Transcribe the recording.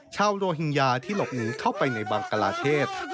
โรฮิงญาที่หลบหนีเข้าไปในบังกลาเทศ